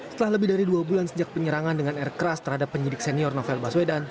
setelah lebih dari dua bulan sejak penyerangan dengan air keras terhadap penyidik senior novel baswedan